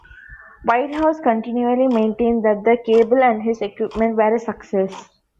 Whitehouse continually maintained that the cable and his equipment were a success.